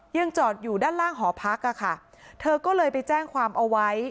ยังจอดอยู่ด้านล่างหอพักอ่ะค่ะเธอก็เลยไปแจ้งความเอาไว้